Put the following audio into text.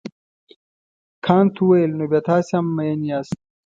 کانت وویل نو بیا تاسي هم مین یاست.